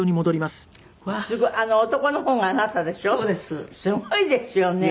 すごいですよね。